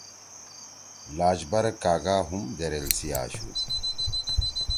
لاجبر کاگا ہُم دیریل سی آشُو۔